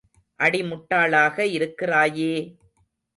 அடி முட்டாளாக இருக்கிறாயே!